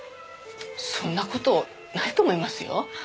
そんな事ないと思いますよ。